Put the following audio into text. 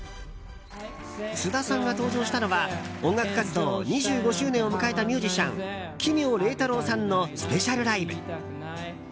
菅田さんが登場したのは音楽活動２５周年を迎えたミュージシャン奇妙礼太郎さんのスペシャルライブ。